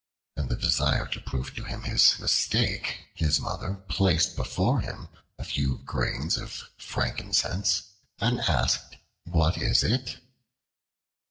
In the desire to prove to him his mistake, his Mother placed before him a few grains of frankincense, and asked, "What is it?"